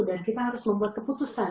dan kita harus membuat keputusan